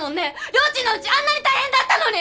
りょーちんのうちあんなに大変だったのに！